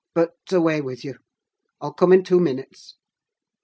But, away with you! I'll come in two minutes!"